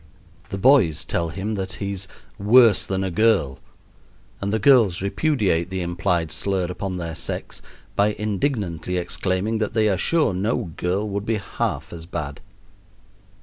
The boys tell him that he's "worse than a girl," and the girls repudiate the implied slur upon their sex by indignantly exclaiming that they are sure no girl would be half as bad.